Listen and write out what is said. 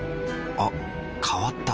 あ変わった。